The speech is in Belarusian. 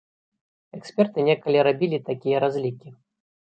Эксперты некалі рабілі такія разлікі.